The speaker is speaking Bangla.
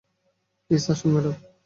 প্লিজ আসুন, ম্যাডাম।